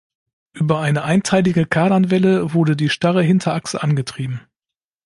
Über eine einteilige Kardanwelle wurde die starre Hinterachse angetrieben.